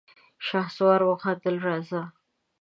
شهسوار وخندل: راځه!